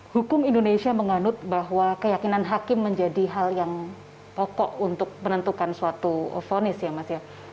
hukum indonesia menganut bahwa keyakinan hakim menjadi hal yang pokok untuk menentukan suatu vonis ya mas ya